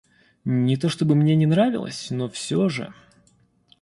Не то что бы мне не нравилось, но всё же...